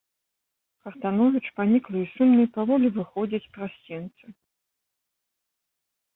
Хартановіч паніклы і сумны паволі выходзіць праз сенцы.